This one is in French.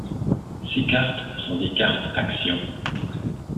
Ces cartes sont des cartes Action.